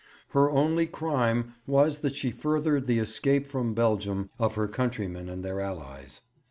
Her only crime was that she furthered the escape from Belgium of her countrymen and their Allies.